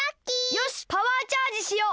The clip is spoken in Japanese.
よしパワーチャージしよう。